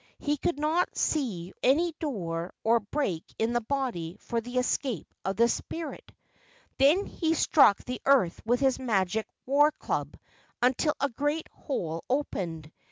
He could not see any door or break in the body for the escape of the spirit. Then he struck the earth with his magic war club until a great hole opened.